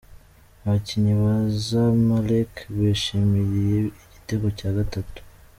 Abakinnyi ba Zamalek bishimira igitego cya gatatu.